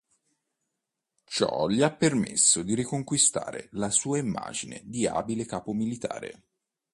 Ciò gli ha permesso di riconquistare la sua immagine di abile capo militare.